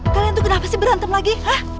kalian tuh kenapa sih berantem lagi